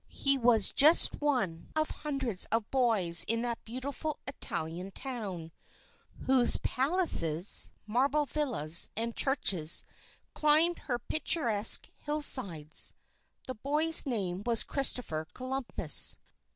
He was just one of hundreds of boys in that beautiful Italian town, whose palaces, marble villas, and churches climbed her picturesque hillsides. The boy's name was Christopher Columbus.